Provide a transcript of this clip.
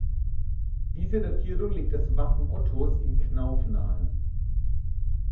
Diese Datierung legt das Wappen Ottos im Knauf nahe.